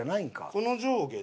この上下で。